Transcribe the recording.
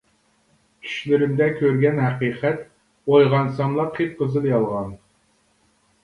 چۈشلىرىمدە كۆرگەن ھەقىقەت، ئويغانساملا قىپقىزىل يالغان.